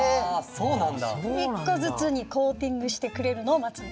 一個ずつにコーティングしてくれるのを待つんですよ。